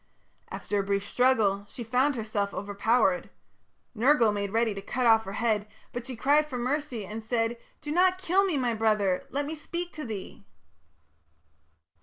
After a brief struggle, she found herself overpowered. Nergal made ready to cut off her head, but she cried for mercy and said: "Do not kill me, my brother! Let me speak to thee."